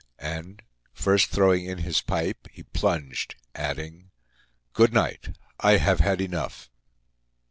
And, first throwing in his pipe, he plunged, adding: "Good night! I have had enough!"